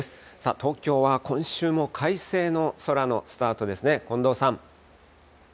東京は今週も快晴の空のスタートですね、近藤さん。